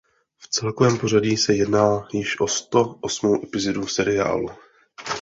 V celkovém pořadí se jedná již o sto osmou epizodu seriálu.